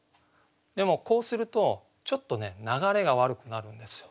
でもこうするとちょっとね流れが悪くなるんですよ。